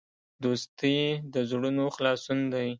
دوستي د زړونو خلاصون دی.